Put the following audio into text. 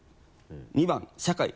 ２番社会。